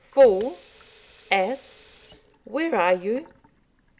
fool! ass! where are you?"